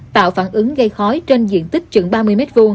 tạo phản ứng gây khói trên diện tích chừng ba mươi m hai